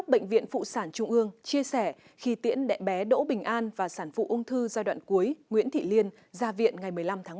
bệnh viện phụ sản trung ương chia sẻ khi tiễn đẹp bé đỗ bình an và sản phụ ung thư giai đoạn cuối nguyễn thị liên ra viện ngày một mươi năm tháng một